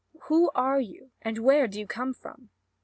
Who are you, and where do you come from?"